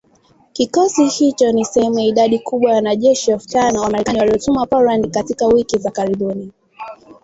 Kikosi hicho ni sehemu ya idadi kubwa ya wanajeshi elfu tano wa Marekani waliotumwa Poland katika wiki za karibuni